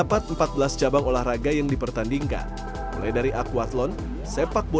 namun bukan hanya bagian saintis yang diheritakan di weetelte www noice alpha com